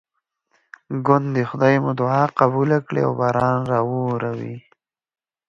ګوندې خدای مو دعا قبوله کړي او باران راواوري.